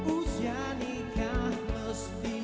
usia nikah mustahil